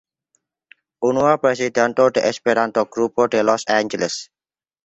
Unua prezidanto de Esperanto-Grupo de Los Angeles.